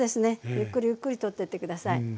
ゆっくりゆっくりとってって下さい。